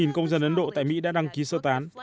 một công dân ấn độ tại mỹ đã đăng ký sơ tán